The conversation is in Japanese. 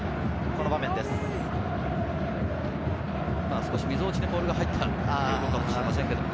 少しみぞおちにボールが入ったのかもしれません。